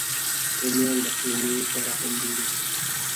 رومیان له قیمې سره هم جوړېږي